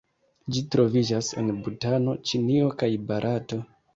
Ĝi troviĝas en Butano, Ĉinio kaj Barato.